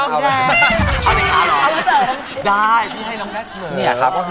เออได้เอาหน่อยค่ะได้พี่ให้น้องแม็กเตอร์